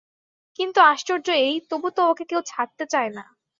কিন্তু আশ্চর্য এই, তবু তো ওকে কেউ ছাড়তে চায় না।